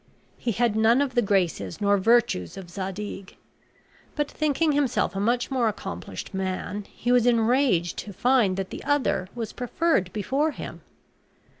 He had none of the graces nor virtues of Zadig; but thinking himself a much more accomplished man, he was enraged to find that the other was preferred before him.